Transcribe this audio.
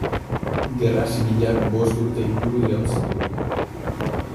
Gerra zibilak bost urte inguru iraun zuen.